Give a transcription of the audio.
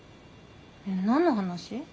何の話？